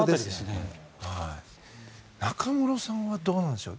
中室さんはどうなんでしょう。